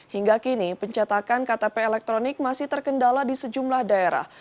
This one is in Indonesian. hingga kini pencetakan ktp elektronik masih terkendala di sejumlah daerah